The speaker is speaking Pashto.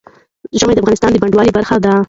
ژمی د افغانستان د بڼوالۍ برخه ده.